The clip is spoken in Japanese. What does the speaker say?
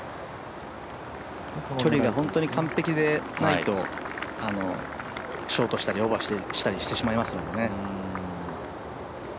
距離が本当に完璧じゃないとショートしたりオーバーしたりしてしまいますのでね。